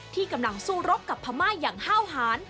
ที่กำลังสู้รบกับพม่าอย่างห้าวหาร